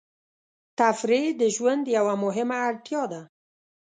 تفریح د ژوند یوه مهمه اړتیا ده.